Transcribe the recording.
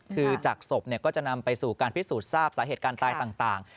คือจากศพก็จะนำไปสู่การพิสูจน์ทราบสาเหตุการตายต่าง